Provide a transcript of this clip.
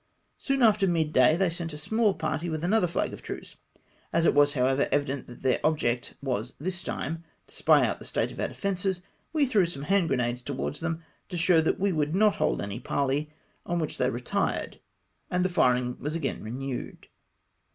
Soon after midday they sent a small party with another flag of truce. As it was, however, evident that their object was this time to spy out the state of our defences, we threw some hand grenades towards them, to show that we woidd not hold any parley, on which they retu^ed, and the firing was again renewed.